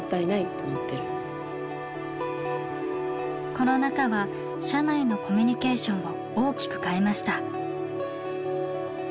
コロナ禍は社内のコミュニケーションを大きく変えました。